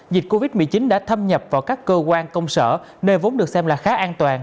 dịch covid một mươi chín đã thâm nhập vào các cơ quan công sở nơi vốn được xem là khá an toàn